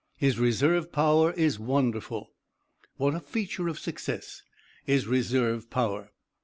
His reserve power is wonderful. What a feature of success is reserve power.